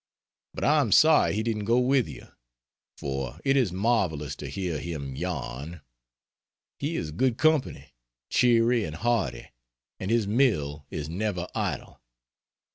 But I am sorry he didn't go with you; for it is marvelous to hear him yarn. He is good company, cheery and hearty, and his mill is never idle.